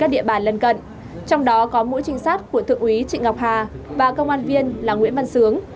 trong đó có mũi trinh sát của thượng úy trị ngọc hà và công an viên là nguyễn văn sướng